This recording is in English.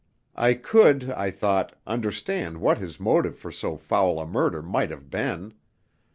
I could, I thought, understand what his motive for so foul a murder might have been.